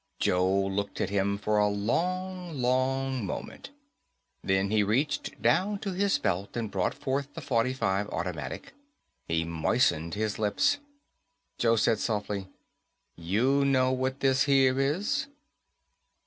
Joe looked at him for a long, long moment. Then he reached down to his belt and brought forth the .45 automatic. He moistened his lips. Joe said softly, "You know what this here is?"